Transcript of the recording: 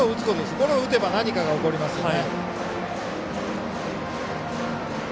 ゴロを打てば何かが起こりますから。